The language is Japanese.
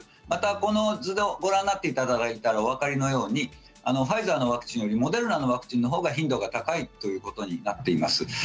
またこの図でご覧なっていただいてお分かりのようにファイザーのワクチンよりもモデルナのワクチンのほうが頻度が高いということになっています。